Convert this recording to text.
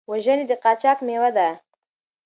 وژنې د قاچاق مېوه ده.